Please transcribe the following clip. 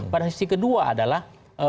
pada sisi kedua adalah